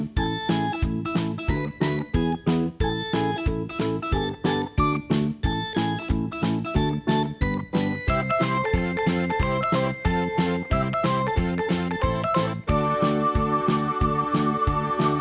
ไม่มีความมีความมีความทำงาน